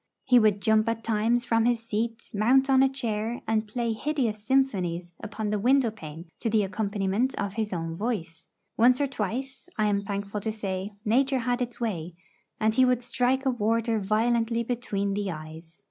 He would jump at times from his seat, mount on a chair, and play hideous symphonies upon the window pane to the accompaniment of his own voice; once or twice, I am thankful to say, nature had its way, and he would strike a warder violently between the eyes.